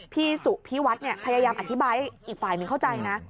พี่สุพิวัฒน์พยายามอธิบายให้อีกฝ่ายหนึ่งเข้าใจนะ